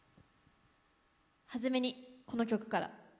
初めにこの曲から。